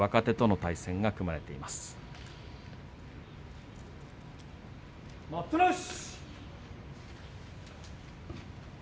待ったなし。